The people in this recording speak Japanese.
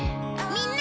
みんな！